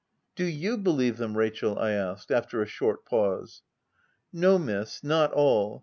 " Do you believe them, Rachel V I asked, after a short pause. " No, Miss, not all.